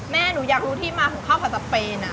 แม่หนูอยากรู้ที่มาของข้าวผัดสเปน